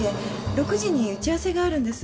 ６時に打ち合わせがあるんです。